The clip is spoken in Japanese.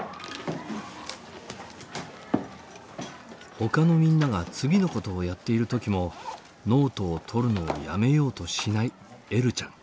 ほかのみんなが次のことをやっている時もノートを取るのをやめようとしないえるちゃん。